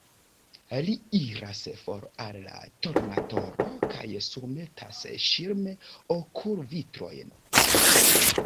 Li iras for al la tornatoro kaj surmetas ŝirm-okulvitrojn.